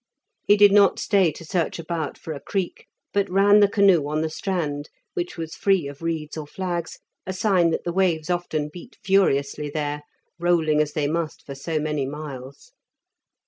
He did not stay to search about for a creek, but ran the canoe on the strand, which was free of reeds or flags, a sign that the waves often beat furiously there, rolling as they must for so many miles.